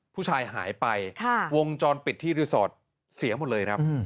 ผู้ชายหายไปวงจรปิดที่รีสอร์ทเสียหมดเลยครับ